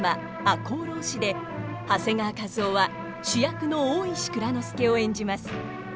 「赤穂浪士」で長谷川一夫は主役の大石内蔵助を演じます。